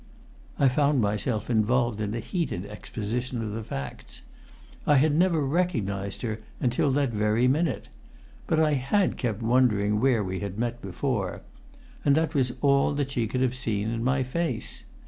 I found myself involved in a heated exposition of the facts. I had never recognised her until that very minute. But I had kept wondering where we had met before. And that was all that she could have seen in my face.